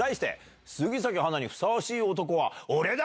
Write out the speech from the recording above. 杉咲花にふさわしい男は俺だ！